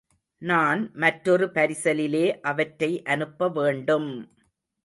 நான் மற்றொரு பரிசலிலே அவற்றை அனுப்ப வேண்டும்!